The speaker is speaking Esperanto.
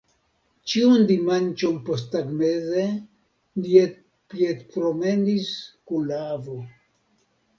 Ĉiun dimanĉon posttagmeze ni piedpromenis kun la avo.